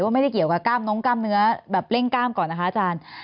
ไม่ได้เกี่ยวกับกล้ามน้องกล้ามเนื้อแบบเร่งกล้ามก่อนนะคะอาจารย์